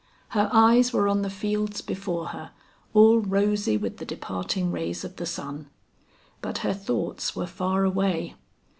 Her eyes were on the fields before her all rosy with the departing rays of the sun, but her thoughts were far away.